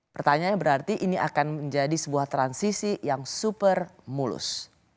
pertanyaannya berarti ini akan menjadi sebuah transisi yang super mulus